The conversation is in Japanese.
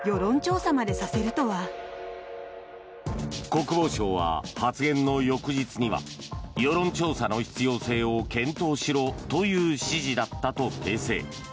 国防省は発言の翌日には世論調査の必要性を検討しろという指示だったと訂正。